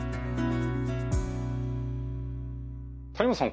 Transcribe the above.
谷本さん